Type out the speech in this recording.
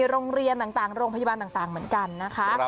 โรงเรียนต่างโรงพยาบาลต่างเหมือนกันนะคะ